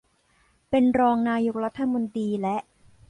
เป็นรองนายกรัฐมนตรีและ